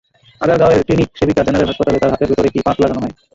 আগারগাঁওয়ের clinic সেবিকা general হাসপাতালে তাঁর হাতের ভেতর একটি পাত লাগানো হয়।